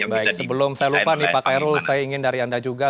baik sebelum saya lupa nih pak kairul saya ingin dari anda juga